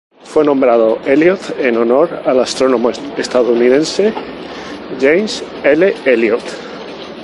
Fue nombrado Elliot en honor al astrónomo estadounidense James L. Elliot.